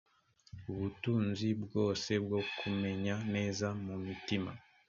ubutunzi bwose bwo kumenya neza mu mitima